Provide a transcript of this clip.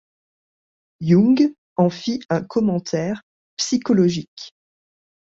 Jung en fit un commentaire psychologique.